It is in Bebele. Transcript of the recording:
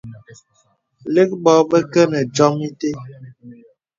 Lə̀k bò bə kə nə diōm itə̀.